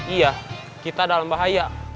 iya kita dalam bahaya